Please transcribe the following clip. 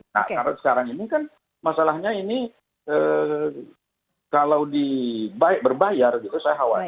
nah karena sekarang ini kan masalahnya ini kalau berbayar gitu saya khawatir